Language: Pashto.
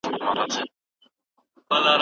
که استاد پوره معلومات نلري نو لارښوونه دې نه کوي.